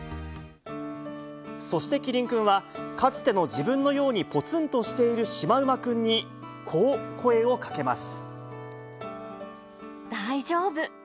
そしてキリンくんは、かつての自分のようにぽつんとしているシマウマくんに、こう声を大丈夫。